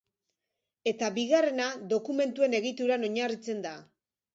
Eta bigarrena, dokumentuen egituran oinarritzen da.